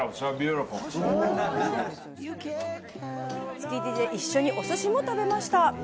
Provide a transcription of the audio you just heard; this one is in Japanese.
築地で一緒に、おすしも食べました。